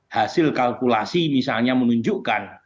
hasil kalkulasi misalnya menunjukkan